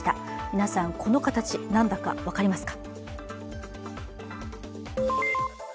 皆さんこの形なんだか分かりますか？